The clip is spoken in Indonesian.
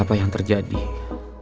aku akan mencari temanmu